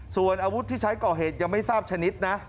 ส่วนอาวุธที่ใช้ก่อเหตุยังไม่ทราบชนิดนะ